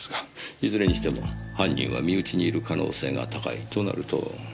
いずれにしても犯人は身内にいる可能性が高いとなると。